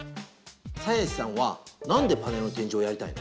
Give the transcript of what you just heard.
サヤシさんはなんでパネルの展示をやりたいの？